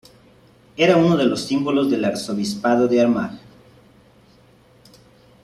Era uno de los símbolos del Arzobispado de Armagh.